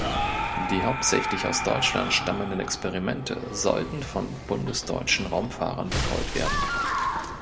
Die hauptsächlich aus Deutschland stammenden Experimente sollten von bundesdeutschen Raumfahrern betreut werden.